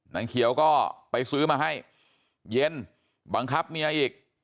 นางเขียวก็ไปซื้อมาให้เย็นบังคับเมียอีก